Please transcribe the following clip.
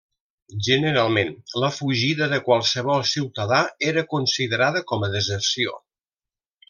Generalment, la fugida de qualsevol ciutadà era considerada com a deserció.